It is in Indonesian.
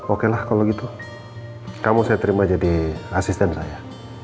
oke lah kalau gitu kamu saya terima jadi asisten saya